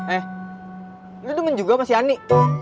eh lo demen juga sama si ani